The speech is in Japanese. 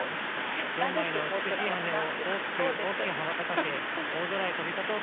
４枚の美しい羽を大きく大きく羽ばたかせ大空へ飛び立とうとしています。